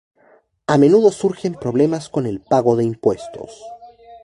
A menudo surgen problemas con el pago de impuestos.